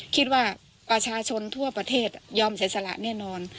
คิดว่าประชาชนทั่วประเทศยอมเสียสละแน่นอน